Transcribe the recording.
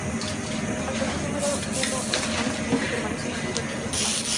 Alcanzó el número uno la semana siguiente y permaneció allí durante tres semanas.